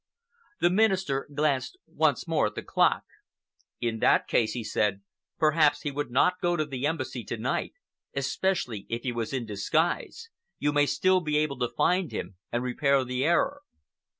The Minister glanced once more at the clock. "In that case," he said, "perhaps he would not go to the Embassy to night, especially if he was in disguise. You may still be able to find him and repair the error.